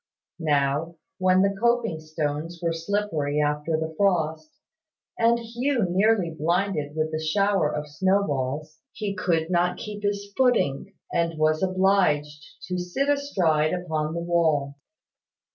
Now, when the coping stones were slippery after the frost, and Hugh nearly blinded with the shower of snow balls, he could not keep his footing, and was obliged to sit astride upon the wall.